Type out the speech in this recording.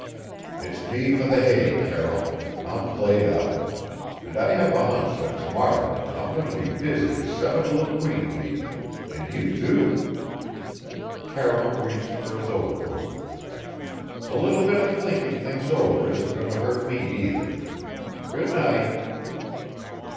"It's me for the hay, Carroll. I'm played out; and I have a hunch that to morrow I'm going to be busy as seven little queen bees and you, too." Carroll reached for his overcoat. "A little bit of thinking things over isn't going to hurt me, either. Good night!"